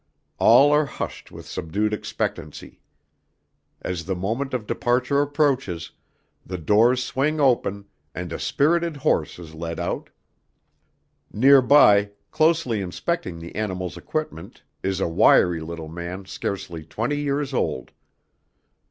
All are hushed with subdued expectancy. As the moment of departure approaches, the doors swing open and a spirited horse is led out. Nearby, closely inspecting the animal's equipment is a wiry little man scarcely twenty years old.